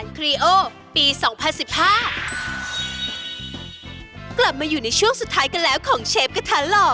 กลับมาอยู่ในช่วงสุดท้ายกันแล้วของเชฟกระทะหล่อ